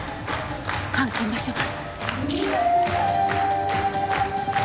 監禁場所は。